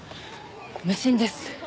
無心です。